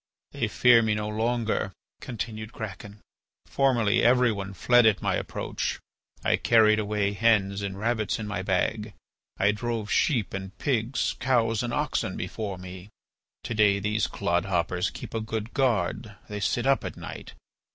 "They fear me no longer," continued Kraken. "Formerly everyone fled at my approach. I carried away hens and rabbits in my bag; I drove sheep and pigs, cows, and oxen before me. To day these clod hoppers keep a good guard; they sit up at night.